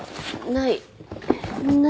ない。